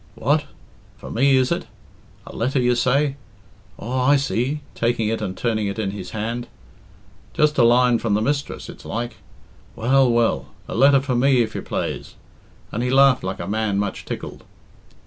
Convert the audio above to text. "What? For me, is it? A letter, you say? Aw, I see," taking it and turning it in his hand, "just'a line from the mistress, it's like. Well, well! A letter for me, if you plaze," and he laughed like a man much tickled.